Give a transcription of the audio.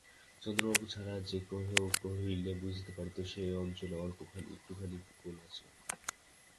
চন্দ্রবাবু ছাড়া আর যে-কেহ হইলে বুঝিতে পারিত সে অঞ্চলে অল্প একটুখানি গোল আছে।